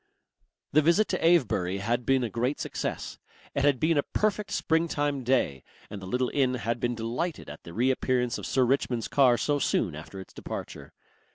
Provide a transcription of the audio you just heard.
The visit to Avebury had been a great success. It had been a perfect springtime day, and the little inn had been delighted at the reappearance of Sir Richmond's car so soon after its departure.